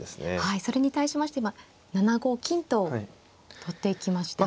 はいそれに対しまして今７五金と取っていきました。